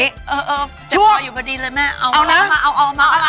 เอ่อแต่พออยู่พอดีเลยแม่เอามาเอามา